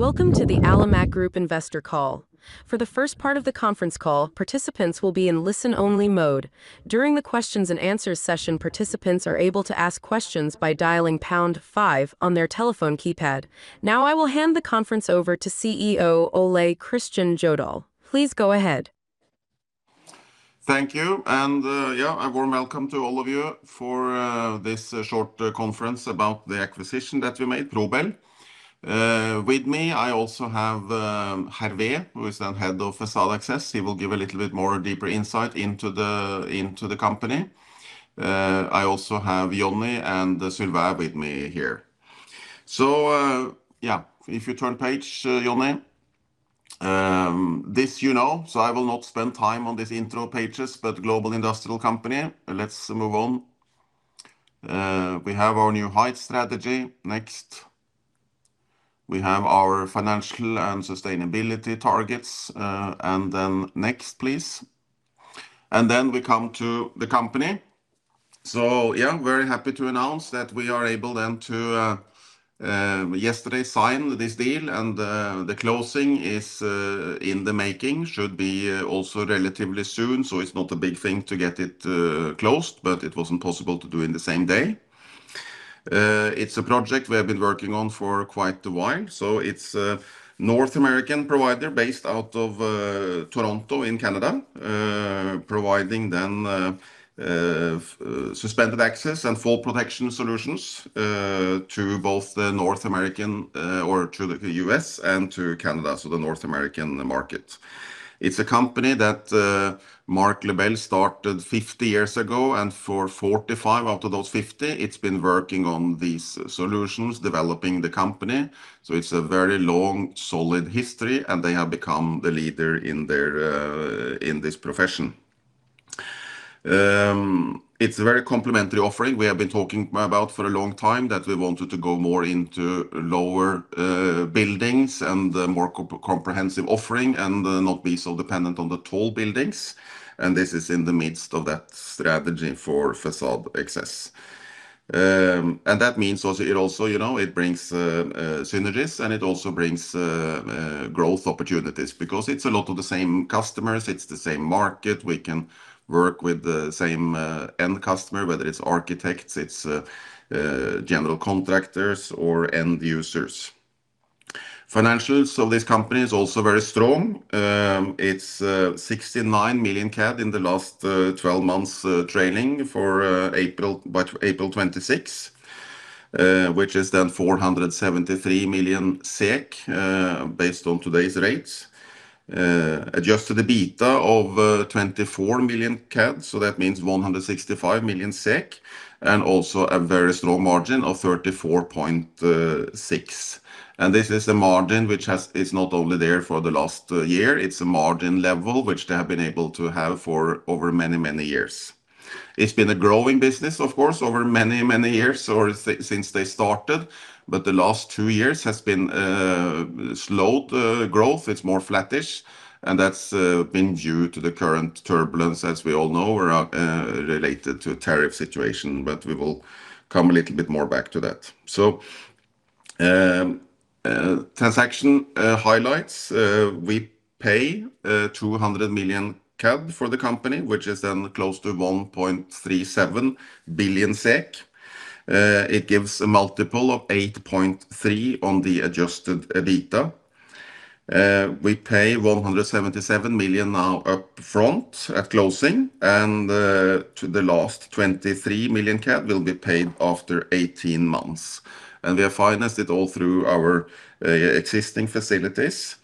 Welcome to the Alimak Group investor call. For the first part of the conference call, participants will be in listen-only mode. During the questions and answers session, participants are able to ask questions by dialing pound five on their telephone keypad. Now I will hand the conference over to CEO Ole Kristian Jødahl. Please go ahead. Thank you. A warm welcome to all of you for this short conference about the acquisition that we made, Pro-Bel. With me, I also have Hervé, who is the Head of Facade Access. He will give a little bit more deeper insight into the company. I also have Johnny and Sylvain with me here. If you turn page, Johnny. This you know, I will not spend time on these intro pages, global industrial company. Let's move on. We have our New Heights strategy. Next. We have our financial and sustainability targets. Next, please. We come to the company. Very happy to announce that we are able then to, yesterday, sign this deal and the closing is in the making. Should be also relatively soon, so it's not a big thing to get it closed, but it was impossible to do in the same day. It's a project we have been working on for quite a while. It's a North American provider based out of Toronto in Canada, providing then suspended access and fall protection solutions to both the North American, or to the U.S. and to Canada, the North American market. It's a company that Marc Lebel started 50 years ago, and for 45 out of those 50, it's been working on these solutions, developing the company. It's a very long, solid history, and they have become the leader in this profession. It's a very complementary offering. We have been talking about for a long time that we wanted to go more into lower buildings and a more comprehensive offering, and not be so dependent on the tall buildings, and this is in the midst of that strategy for Facade Access. That means also it brings synergies, and it also brings growth opportunities because it's a lot of the same customers, it's the same market. We can work with the same end customer, whether it's architects, it's general contractors or end users. Financials of this company is also very strong. It's 69 million CAD in the last 12 months, trailing for April by April 2026, which is then 473 million SEK, based on today's rates. Adjusted EBITA of CAD 24 million, so that means 165 million SEK, and also a very strong margin of 34.6%. This is a margin which is not only there for the last year, it is a margin level which they have been able to have for over many, many years. It has been a growing business, of course, over many, many years, or since they started. The last two years has been slowed growth. It is more flattish, and that has been due to the current turbulence, as we all know, related to tariff situation. We will come a little bit more back to that. Transaction highlights. We pay 200 million CAD for the company, which is then close to 1.37 billion SEK. It gives a multiple of 8.3 on the adjusted EBITA. We pay 177 million now up front at closing, and the last 23 million CAD will be paid after 18 months. We have financed it all through our existing facilities.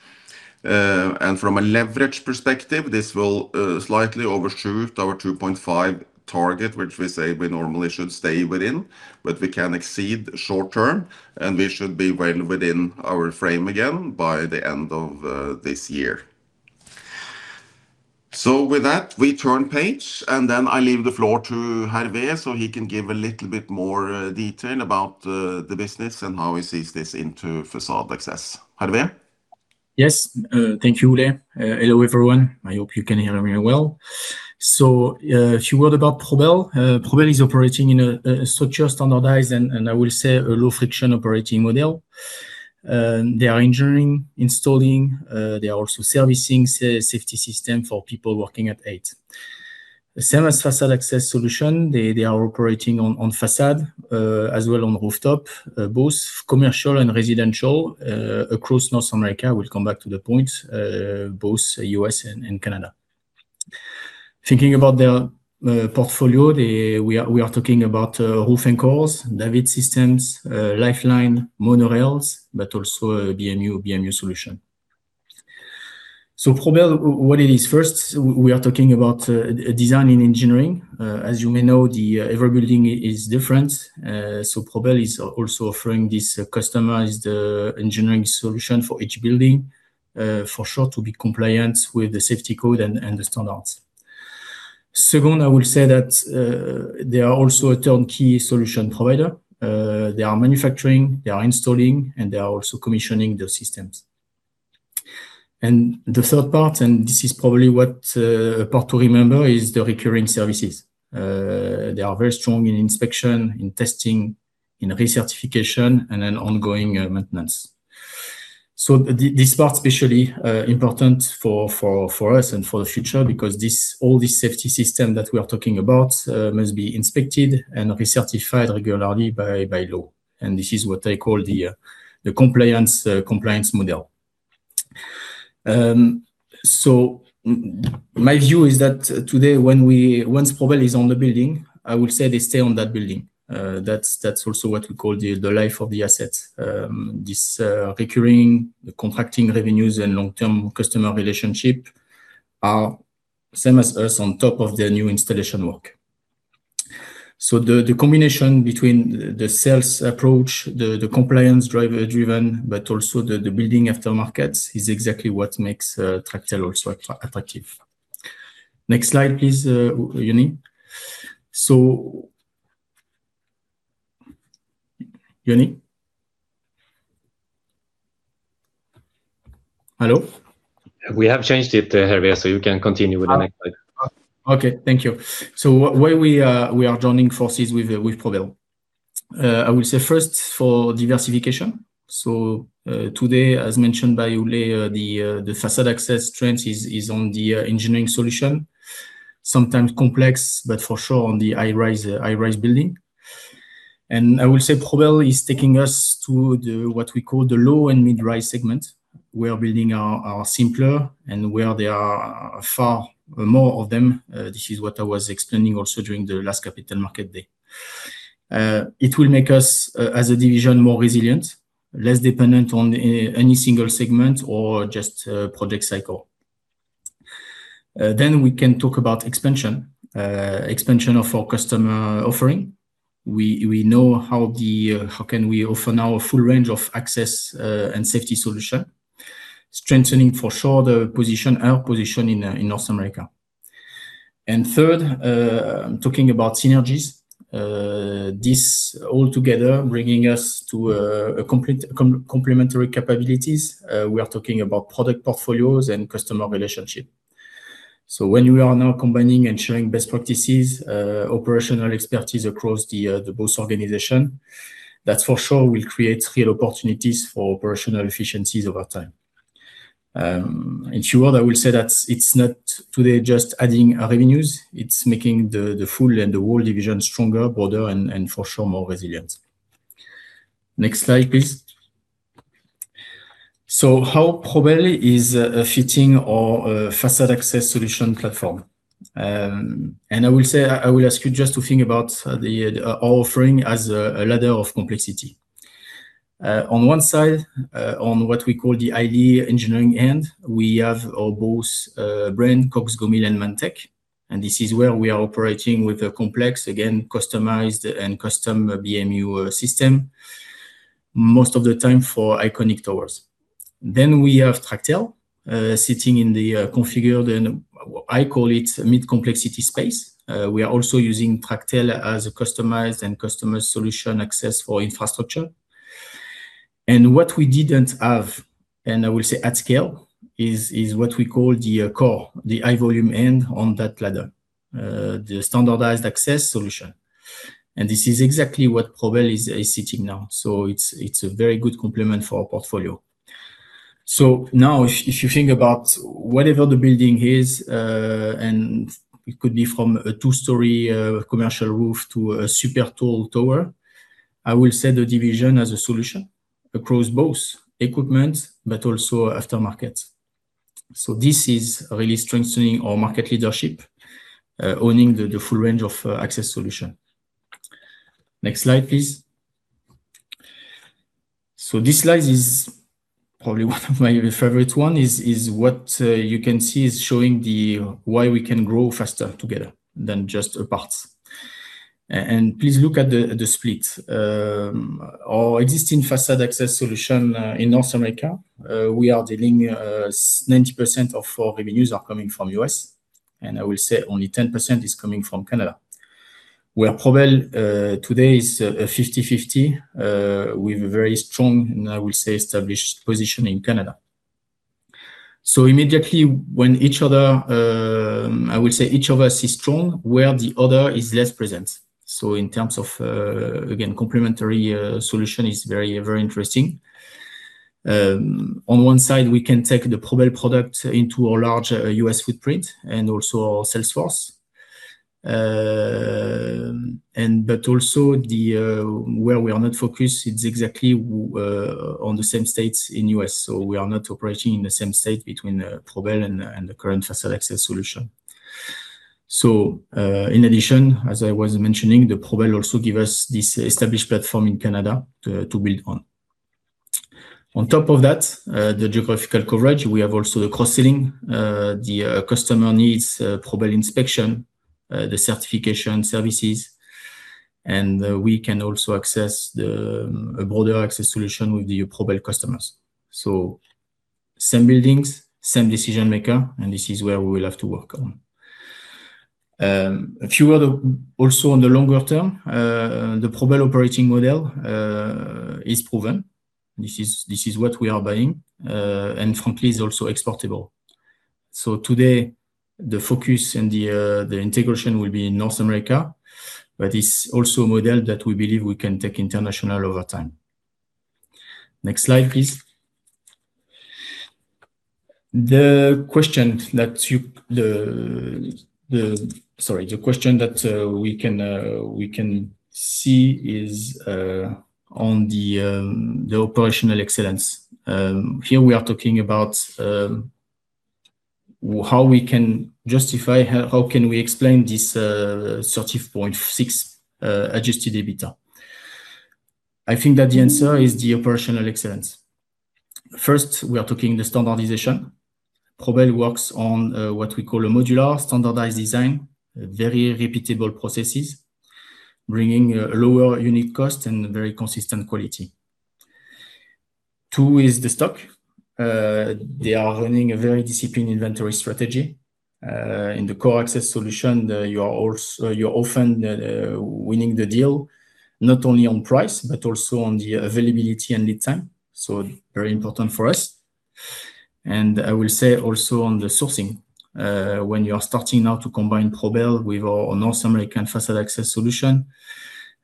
From a leverage perspective, this will slightly overshoot our 2.5 target, which we say we normally should stay within, but we can exceed short-term, and we should be well within our frame again by the end of this year. With that, we turn page, and I leave the floor to Hervé so he can give a little bit more detail about the business and how he sees this into Facade Access. Hervé? Yes. Thank you, Ole. Hello, everyone. I hope you can hear me well. A few words about Pro-Bel. Pro-Bel is operating in a structure standardized, and I will say a low-friction operating model. They are engineering, installing, they are also servicing safety systems for people working at height. Same as Facade Access Solutions, they are operating on facade, as well on rooftop, both commercial and residential, across North America. We will come back to the point, both U.S. and Canada. Thinking about their portfolio, we are talking about roof anchors, davit systems, lifeline, monorails, but also BMU solutions. Pro-Bel, what it is? First, we are talking about design and engineering. As you may know, every building is different. Pro-Bel is also offering this customized engineering solution for each building, for sure to be compliant with the safety code and the standards. Second, I will say that they are also a turnkey solution provider. They are manufacturing, they are installing, and they are also commissioning the systems. The third part, and this is probably what part to remember, is the recurring services. They are very strong in inspection, in testing, in recertification, and then ongoing maintenance. This part is especially important for us and for the future because all these safety systems that we are talking about must be inspected and recertified regularly by law, and this is what I call the compliance model. My view is that today, once Pro-Bel is on the building, I would say they stay on that building. That is also what we call the life of the asset. This recurring, the contracting revenues, and long-term customer relationship are same as us on top of their new installation work. The combination between the sales approach, the compliance-driven, but also the building aftermarkets, is exactly what makes Tractel also attractive. Next slide, please, Johnny. So- Johnny? Hello? We have changed it, Hervé, so you can continue with the next slide. Okay. Thank you. Why we are joining forces with Pro-Bel. I will say first, for diversification. Today, as mentioned by Ole, the facade access trend is on the engineering solution, sometimes complex, but for sure on the high-rise building. I will say Pro-Bel is taking us to the, what we call the low and mid-rise segment, where building are simpler and where there are far more of them. This is what I was explaining also during the last Capital Markets Day. It will make us, as a division, more resilient, less dependent on any single segment or just project cycle. We can talk about expansion. Expansion of our customer offering. We know how can we offer now a full range of access and safety solution, strengthening, for sure, our position in North America. Third, talking about synergies. This all together bringing us to a complete complementary capabilities. We are talking about product portfolios and customer relationship. When we are now combining and sharing best practices, operational expertise across both organization, that, for sure, will create real opportunities for operational efficiencies over time. In short, I will say that it's not today just adding our revenues, it's making the full and the whole division stronger, broader, and for sure, more resilient. Next slide, please. How Pro-Bel is fitting our Facade Access Solutions platform. I will ask you just to think about our offering as a ladder of complexity. On one side, on what we call the idea engineering end, we have our both brand, CoxGomyl and Manntech, and this is where we are operating with a complex, again, customized and custom BMU system, most of the time for iconic towers. We have Tractel sitting in the configured, and I call it mid-complexity space. We are also using Tractel as a customized and customer solution access for infrastructure. What we didn't have, and I will say at scale, is what we call the core, the high volume end on that ladder, the standardized access solution. This is exactly where Pro-Bel is sitting now. It's a very good complement for our portfolio. Now if you think about whatever the building is, and it could be from a two-story commercial roof to a super tall tower, I will set the division as a solution across both equipment but also aftermarkets. This is really strengthening our market leadership, owning the full range of access solution. Next slide, please. This slide is probably one of my favorite one. Is what you can see is showing why we can grow faster together than just apart. Please look at the split. Our existing Facade Access Solutions in North America, we are dealing, 90% of our revenues are coming from U.S., and I will say only 10% is coming from Canada. Where Pro-Bel today is 50/50, with a very strong, and I will say, established position in Canada. Immediately, when each other, I will say each of us is strong where the other is less present. In terms of, again, complementary solution is very interesting. On one side, we can take the Pro-Bel product into our larger U.S. footprint and also our sales force. Also where we are not focused, it's exactly on the same states in U.S. We are not operating in the same state between Pro-Bel and the current Facade Access Solutions. In addition, as I was mentioning, Pro-Bel also give us this established platform in Canada to build on. On top of that, the geographical coverage, we have also the cross-selling, the customer needs Pro-Bel inspection, the certification services, and we can also access the broader access solution with the Pro-Bel customers. Same buildings, same decision-maker, and this is where we will have to work on. A few other also in the longer term, the Pro-Bel operating model is proven. This is what we are buying, and frankly, it's also exportable. Today, the focus and the integration will be in North America, but it's also a model that we believe we can take international over time. Next slide, please. The question that we can see is on the operational excellence. Here we are talking about how we can justify, how can we explain this 34.6 adjusted EBITA. I think that the answer is the operational excellence. First, we are talking the standardization. Pro-Bel works on what we call a modular standardized design, very repeatable processes, bringing lower unique cost and very consistent quality. Two is the stock. They are running a very disciplined inventory strategy. In the core access solution, you're often winning the deal not only on price, but also on the availability and lead time. Very important for us. I will say also on the sourcing, when you are starting now to combine Pro-Bel with our North American Facade Access Solutions,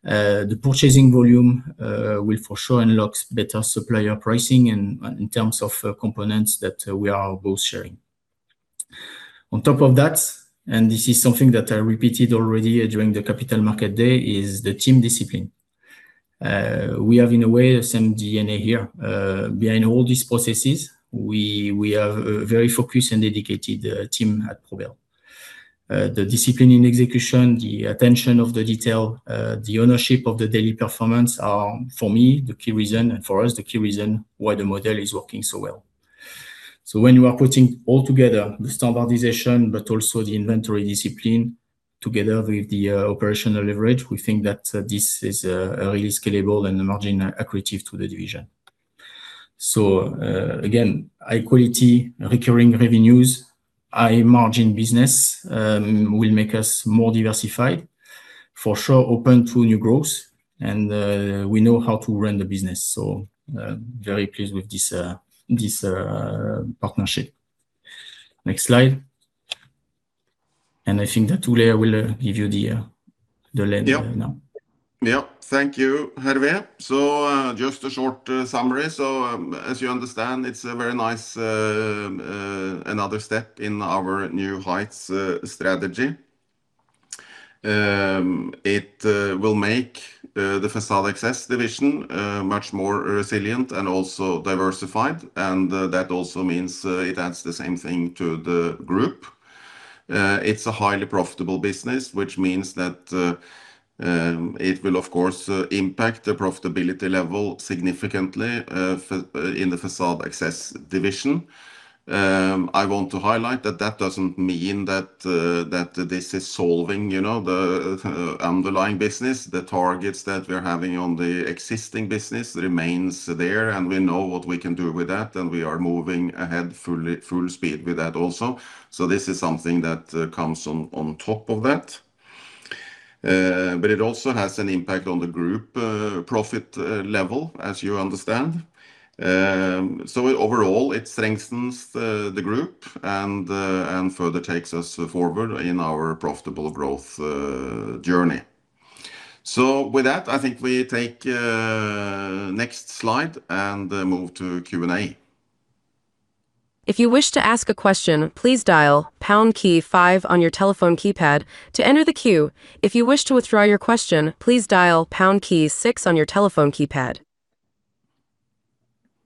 the purchasing volume will for sure unlock better supplier pricing in terms of components that we are both sharing. On top of that, and this is something that I repeated already during the Capital Market Day, is the team discipline. We have, in a way, the same DNA here. Behind all these processes, we have a very focused and dedicated team at Pro-Bel. The discipline in execution, the attention of the detail, the ownership of the daily performance are, for me, the key reason, and for us, the key reason why the model is working so well. When you are putting all together the standardization, but also the inventory discipline together with the operational leverage, we think that this is a really scalable and margin accretive to the division. Again, high quality, recurring revenues, high margin business will make us more diversified, for sure open to new growth, and we know how to run the business. Very pleased with this partnership. Next slide. I think that Ole will give you the lead now. Yeah. Thank you, Hervé. Just a short summary. As you understand, it's a very nice another step in our New Heights strategy. It will make the Facade Access division much more resilient and also diversified, and that also means it adds the same thing to the group. It's a highly profitable business, which means that it will, of course, impact the profitability level significantly, in the Facade Access division. I want to highlight that doesn't mean that this is solving the underlying business. The targets that we're having on the existing business remains there, and we know what we can do with that, and we are moving ahead full speed with that also. This is something that comes on top of that. It also has an impact on the group profit level, as you understand. Overall, it strengthens the group and further takes us forward in our profitable growth journey. With that, I think we take next slide and move to Q&A. If you wish to ask a question, please dial pound-key five on your telephone keypad to enter the queue. If you wish to withdraw your question, please dial pound-key six on your telephone keypad.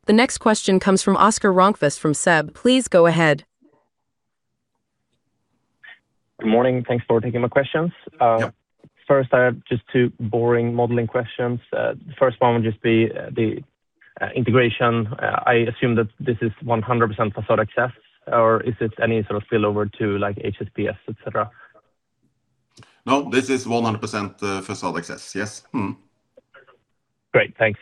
The next question comes from Oscar Rönnqvist from SEB. Please go ahead. Good morning. Thanks for taking my questions. Uh. I have just two boring modeling questions. One would just be the integration. I assume that this is 100% Facade Access, or is it any sort of spillover to like HSPS, et cetera? This is 100% Facade Access. Yes. Great. Thanks.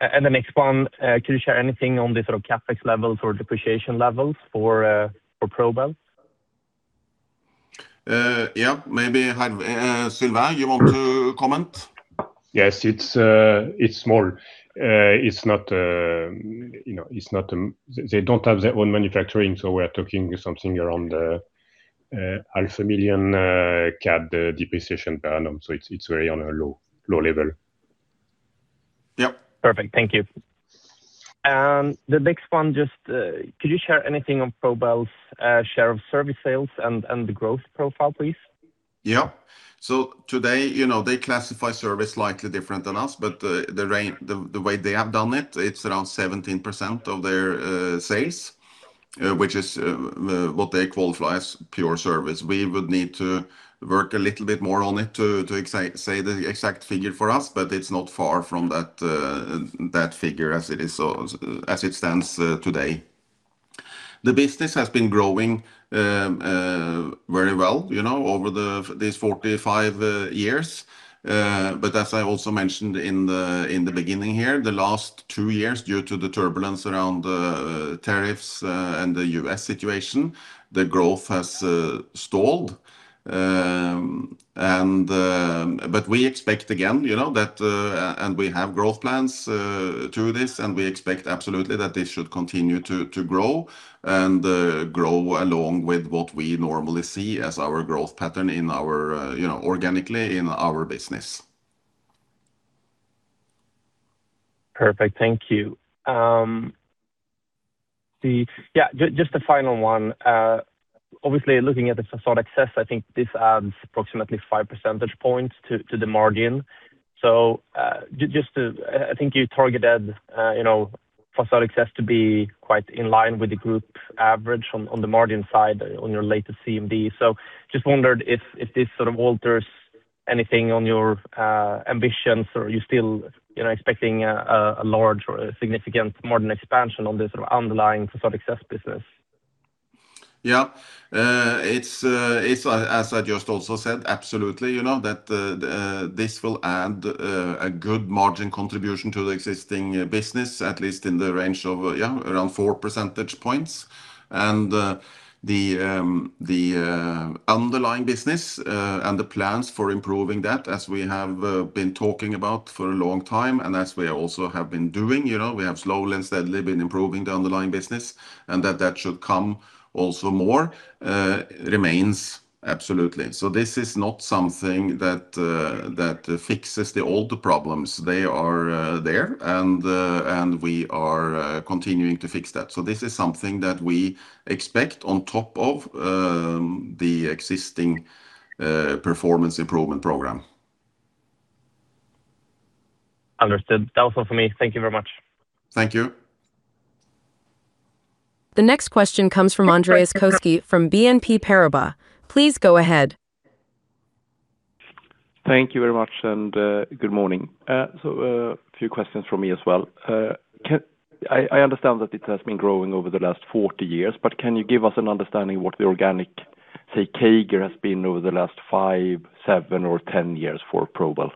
The next one, could you share anything on the sort of CapEx levels or depreciation levels for Pro-Bel? Yeah. Maybe Sylvain, you want to comment? Yes, it's small. They don't have their own manufacturing, so we're talking something around half a million CAD depreciation per annum. It's very on a low level. Yep. Perfect. Thank you. The next one, just could you share anything on Pro-Bel's share of service sales and the growth profile, please? Yeah. Today, they classify service slightly different than us, but the way they have done it's around 17% of their sales, which is what they qualify as pure service. We would need to work a little bit more on it to say the exact figure for us, but it's not far from that figure as it stands today. The business has been growing very well over these 45 years. As I also mentioned in the beginning here, the last two years, due to the turbulence around the tariffs and the U.S. situation, the growth has stalled. We expect again, and we have growth plans to this, and we expect absolutely that they should continue to grow, and grow along with what we normally see as our growth pattern organically in our business. Perfect. Thank you. Just a final one. Looking at the Facade Access, I think this adds approximately five percentage points to the margin. I think you targeted Facade Access to be quite in line with the group average on the margin side on your latest CMD. Just wondered if this sort of alters anything on your ambitions, or are you still expecting a large or a significant margin expansion on this underlying Facade Access business? Yeah. As I just also said, absolutely, that this will add a good margin contribution to the existing business, at least in the range of around four percentage points. The underlying business, and the plans for improving that, as we have been talking about for a long time, and as we also have been doing. We have slowly and steadily been improving the underlying business, and that should come also more, remains absolutely. This is not something that fixes the older problems. They are there, we are continuing to fix that. This is something that we expect on top of the existing performance improvement program. Understood. That was all for me. Thank you very much. Thank you. The next question comes from Andreas Koski from BNP Paribas. Please go ahead. Thank you very much, good morning. A few questions from me as well. I understand that it has been growing over the last 40 years, can you give us an understanding what the organic, say, CAGR has been over the last five, seven or 10 years for Pro-Bel?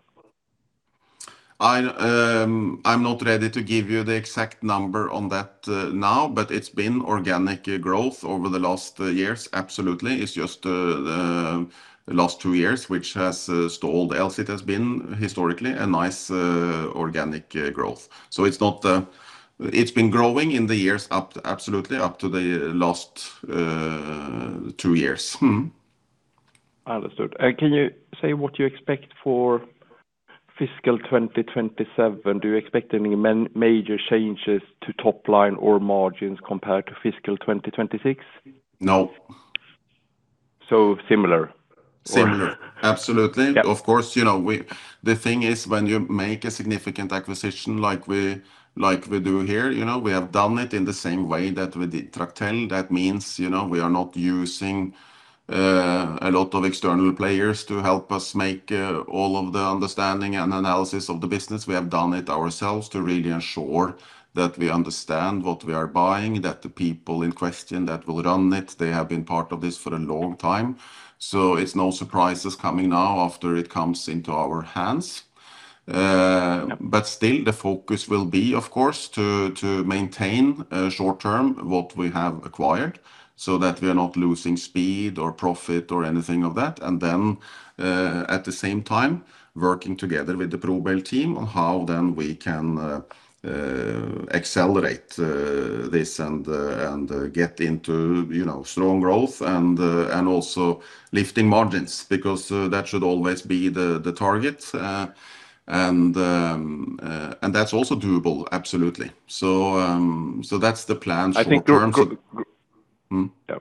I'm not ready to give you the exact number on that now, it's been organic growth over the last years, absolutely. It's just the last two years which has stalled. Else it has been historically a nice organic growth. It's been growing in the years, absolutely, up to the last two years. Understood. Can you say what you expect for fiscal 2027? Do you expect any major changes to top line or margins compared to fiscal 2026? No. So similar? Similar. Absolutely. Yeah. Of course. The thing is, when you make a significant acquisition like we do here, we have done it in the same way that we did Tractel. That means we are not using a lot of external players to help us make all of the understanding and analysis of the business. We have done it ourselves to really ensure that we understand what we are buying, that the people in question that will run it, they have been part of this for a long time. It's no surprises coming now after it comes into our hands. Uh. But still, the focus will be, of course, to maintain short-term what we have acquired so that we are not losing speed or profit or anything of that. Then, at the same time, working together with the Pro-Bel team on how then we can accelerate this and get into strong growth and also lifting margins, because that should always be the target. That's also doable, absolutely. I think- yeah.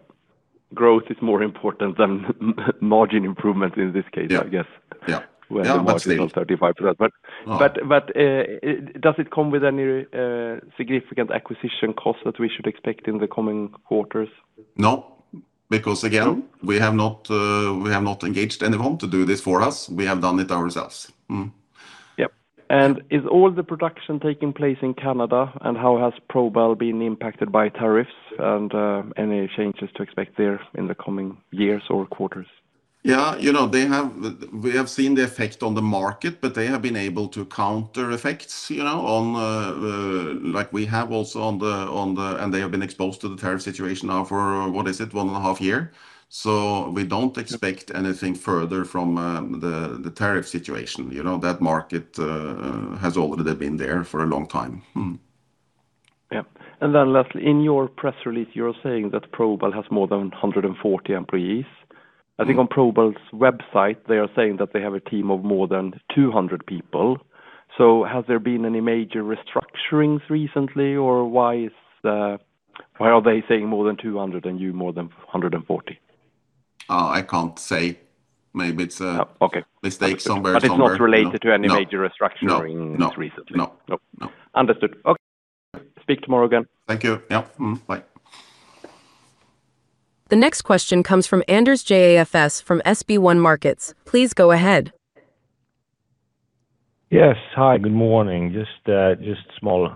Growth is more important than margin improvement in this case, I guess. Yeah. When the margin is on 35%. Does it come with any significant acquisition costs that we should expect in the coming quarters? No. Again, we have not engaged anyone to do this for us. We have done it ourselves. Mm-hmm. Yep. Is all the production taking place in Canada, how has Pro-Bel been impacted by tariffs, any changes to expect there in the coming years or quarters? Yeah. We have seen the effect on the market, they have been able to counter effects, like we have also on the. They have been exposed to the tariff situation now for, what is it? One and a half years. We don't expect anything further from the tariff situation. That market has already been there for a long time. Yeah. Lastly, in your press release, you're saying that Pro-Bel has more than 140 employees. I think on Pro-Bel's website, they are saying that they have a team of more than 200 people. Has there been any major restructurings recently, or why are they saying more than 200 and you more than 140? I can't say. Okay. -mistake somewhere. It's not related to any major restructuring recently? No. Nope. No. Understood. Okay. Speak tomorrow again. Thank you. Yeah. Mm-hmm. Bye. The next question comes from Anders Jåfs from SB1 Markets. Please go ahead. Yes. Hi, good morning. Just small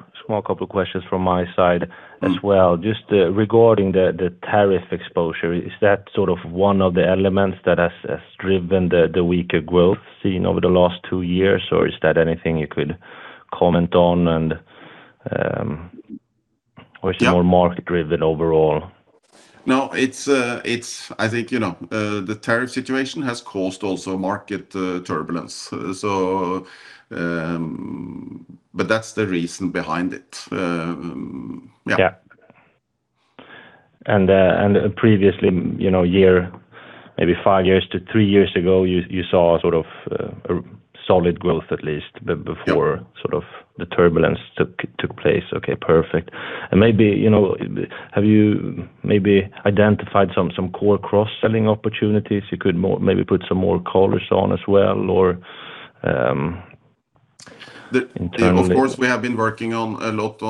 couple of questions from my side as well. Just regarding the tariff exposure, is that one of the elements that has driven the weaker growth seen over the last two years, or is that anything you could comment on? Or it's more market-driven overall? No. I think the tariff situation has caused also market turbulence. That's the reason behind it. Yeah. Yeah. Previously, maybe five years to three years ago, you saw a sort of solid growth at least- Yeah -before the turbulence took place. Okay, perfect. Have you maybe identified some core cross-selling opportunities you could maybe put some more colors on as well, or internally? Of course, we have been working a lot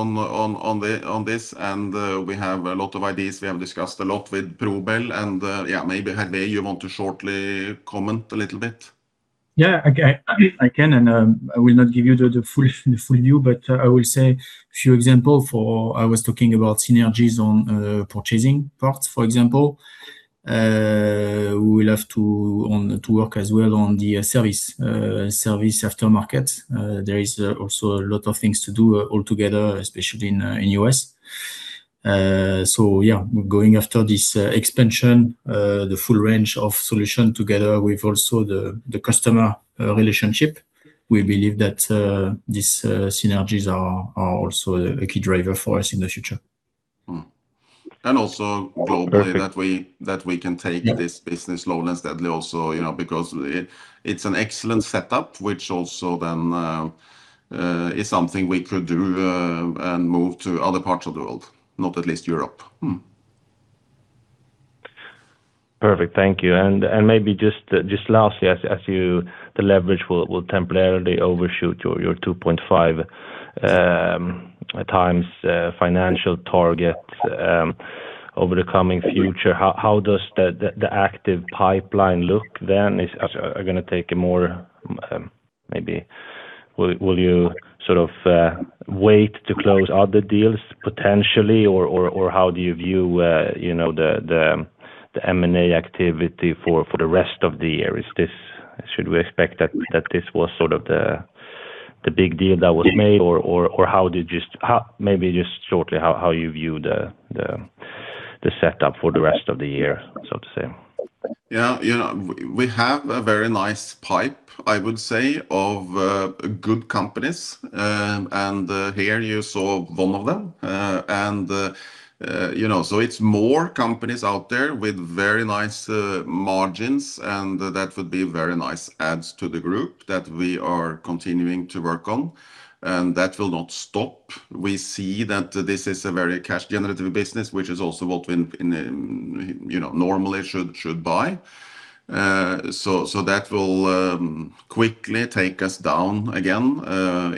on this, and we have a lot of ideas we have discussed a lot with Pro-Bel. Maybe, Hervé, you want to shortly comment a little bit? I can, I will not give you the full view, but I will say a few example. I was talking about synergies on purchasing parts, for example. We will have to work as well on the service aftermarket. There is also a lot of things to do altogether, especially in U.S. We're going after this expansion, the full range of solution together with also the customer relationship. We believe that these synergies are also a key driver for us in the future. Also globally, that we can take this business slowly and steadily also, because it's an excellent setup, which also then is something we could do and move to other parts of the world, not at least Europe. Perfect. Thank you. Maybe just lastly, as the leverage will temporarily overshoot your 2.5x financial target over the coming future, how does the active pipeline look then? Maybe will you sort of wait to close other deals potentially, or how do you view the M&A activity for the rest of the year? Should we expect that this was sort of the big deal that was made, or maybe just shortly how you view the setup for the rest of the year, so to say? Yeah. We have a very nice pipe, I would say, of good companies. Here you saw one of them. It's more companies out there with very nice margins, and that would be very nice adds to the group that we are continuing to work on, and that will not stop. We see that this is a very cash generative business, which is also what we normally should buy. That will quickly take us down again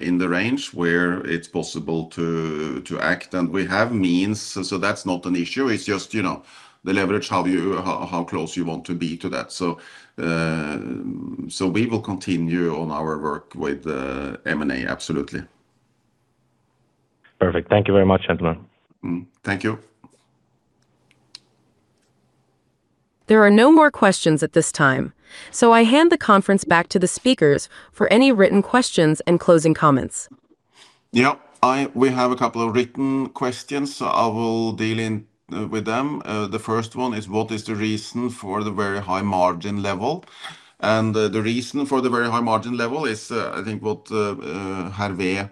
in the range where it's possible to act. We have means, and so that's not an issue. It's just the leverage, how close you want to be to that. We will continue on our work with M&A, absolutely. Perfect. Thank you very much, gentlemen. Thank you. There are no more questions at this time, so I hand the conference back to the speakers for any written questions and closing comments. Yep. We have a couple of written questions, so I will deal with them. The first one is what is the reason for the very high margin level? The reason for the very high margin level is, I think what Hervé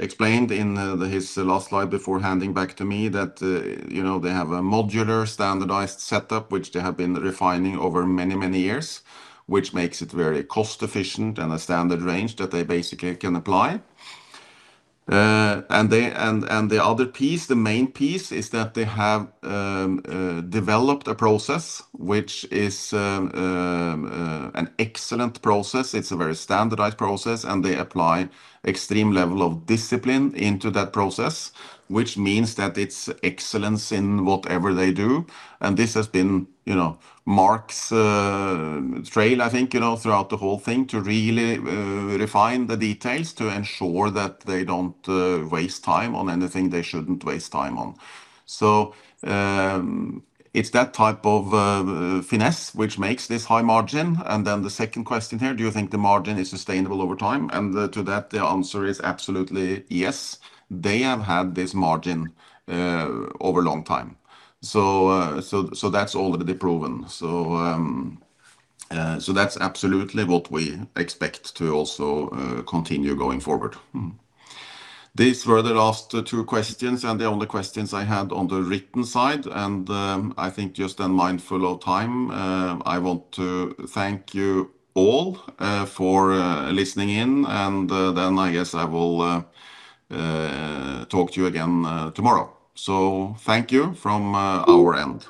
explained in his last slide before handing back to me, that they have a modular standardized setup, which they have been refining over many years, which makes it very cost efficient and a standard range that they basically can apply. The other piece, the main piece is that they have developed a process which is an excellent process. It's a very standardized process, and they apply extreme level of discipline into that process, which means that it's excellence in whatever they do. This has been Marc's trail, I think, throughout the whole thing, to really refine the details to ensure that they don't waste time on anything they shouldn't waste time on. It's that type of finesse which makes this high margin. Then the second question here, do you think the margin is sustainable over time? To that, the answer is absolutely yes. They have had this margin over a long time. That's already proven. That's absolutely what we expect to also continue going forward. These were the last two questions and the only questions I had on the written side. I think just then mindful of time, I want to thank you all for listening in, and then I guess I will talk to you again tomorrow. Thank you from our end.